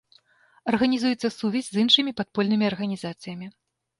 Арганізуецца сувязь з іншымі падпольнымі арганізацыямі.